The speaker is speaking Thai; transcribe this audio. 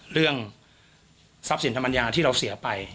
เรื่องทรัพย์สินทางปัญญาที่เราเสียไป